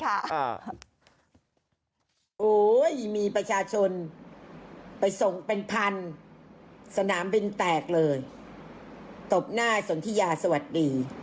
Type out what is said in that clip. ครับโอ้ยมีประชาชนไปส่งเป็นพันธุ์สนามเป็นแตกเลยตบหน้าสวัสดี